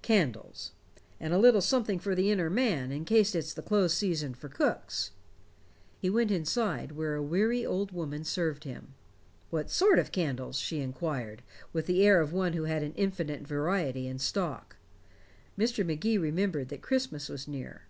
Candles. And a little something for the inner man, in case it's the closed season for cooks." He went inside, where a weary old woman served him. "What sort of candles?" she inquired, with the air of one who had an infinite variety in stock. Mr. Magee remembered that Christmas was near.